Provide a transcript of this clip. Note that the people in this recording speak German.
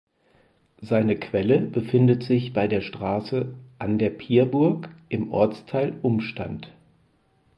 Seine Quelle befindet sich bei der Straße "An der Pierburg" im Ortsteil Umstand.